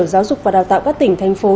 giáo dục và đào tạo các tỉnh thành phố